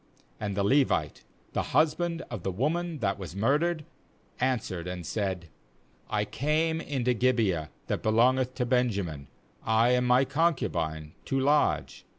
4And the Levite, the husband of the woman that was murdered, answered and said: 'I came into Gibeah that be longeth to Benjamin, I and my con cubine, to lodge.